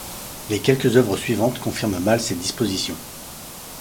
Les quelques œuvres suivantes confirment mal ses dispositions.